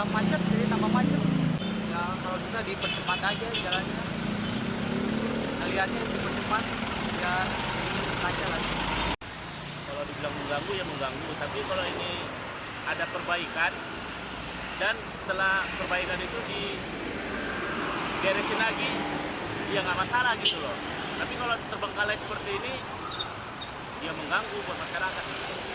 pembelajaran jalan kuningan raya barat jakarta selatan pengendara mengeluhkan banyaknya titik galian yang mangkrak di sepanjang jalan kuningan raya barat dan jalan kuningan raya barat